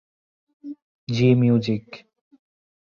জি music